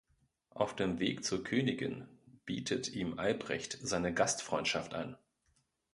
Auf dem Weg zur Königin bietet ihm Albrecht seine Gastfreundschaft an.